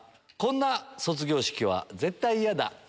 こんな卒業式は絶対嫌だ